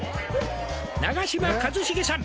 「長嶋一茂さん」